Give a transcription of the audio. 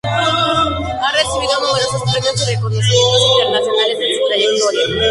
Ha recibido numerosos premios y reconocimientos internacionales en su trayectoria.